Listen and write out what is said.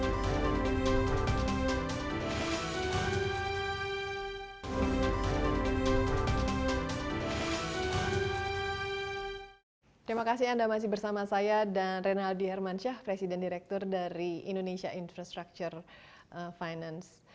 terima kasih anda masih bersama saya dan renaldi hermansyah presiden direktur dari indonesia infrastructure finance